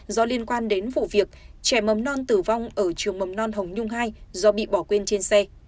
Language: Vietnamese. do liên quan đến vụ việc trẻ mầm non tử vong ở trường mầm non hồng nhung hai do bị bỏ quên trên xe